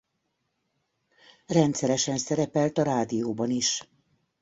Rendszeresen szerepelt a rádióban is.